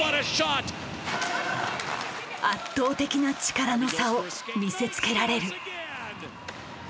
圧倒的な力の差を見せつけられる。